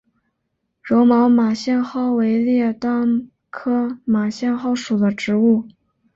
柔毛马先蒿为列当科马先蒿属的植物。